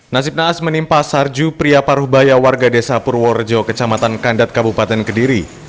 nasib naas menimpa sarju pria paruhbaya warga desa purworejo kecamatan kandat kabupaten kediri